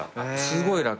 すごい楽。